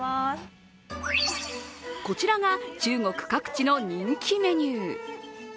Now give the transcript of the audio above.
こちらが中国各地の人気メニュー。